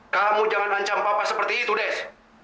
kamu jangan ancam papa seperti itu des